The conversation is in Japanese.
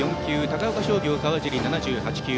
高岡商業の川尻が７８球。